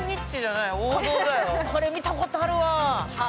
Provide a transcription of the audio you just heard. これ見たことあるわ。